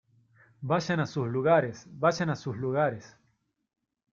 ¡ Vayan a sus lugares! ¡ vayan a sus lugares !